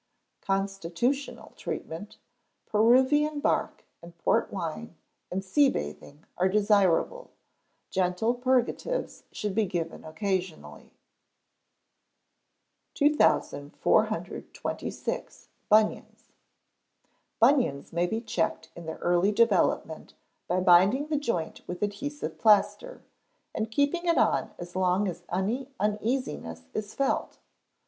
Constitutional treatment: Peruvian bark, and port wine, and sea bathing are desirable. Gentle purgatives should be given occasionally. 2426. Bunions. Bunions may be checked in their early development by binding the joint with adhesive plaster, and keeping it on as long as any uneasiness is felt.